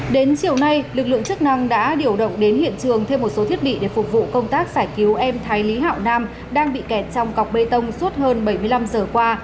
đến chiều nay lực lượng chức năng đã điều động đến hiện trường thêm một số thiết bị để phục vụ công tác giải cứu em thái lý hạo nam đang bị kẹt trong cọc bê tông suốt hơn bảy mươi năm giờ qua